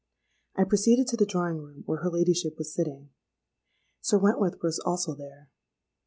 I proceeded to the drawing room, where her ladyship was sitting. Sir Wentworth was also there.